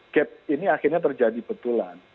gap ini akhirnya terjadi betulan